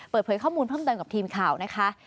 เปิดเผยข้อมูลเพิ่มเติมกับทีมข่าวนะคะ